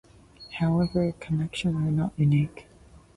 However, connections are not unique.